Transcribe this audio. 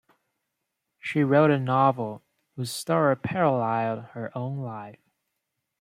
She wrote a novel whose story paralleled her own life.